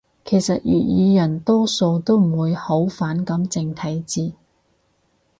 其實粵語人多數都唔會好反感正體字